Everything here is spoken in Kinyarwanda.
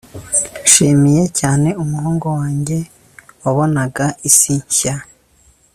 nishimiye cyane umuhungu wanjye wabonaga isi nshya